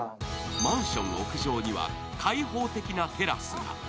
マンション屋上には開放的なテラスが。